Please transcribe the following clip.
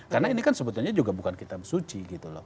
karena ini kan sebetulnya juga bukan kita bersuci